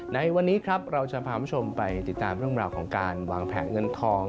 ในวันนี้ครับเราจะพาคุณผู้ชมไปติดตามเรื่องราวของการวางแผนเงินทอง